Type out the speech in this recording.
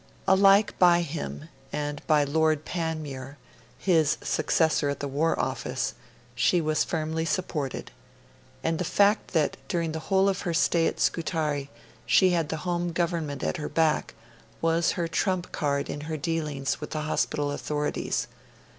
Alike by him, and by Lord Panmure, his successor at the War Office, she was firmly supported; and the fact that during the whole of her stay at Scutari she had the Home Government at her back, was her trump card in her dealings with the hospital authorities.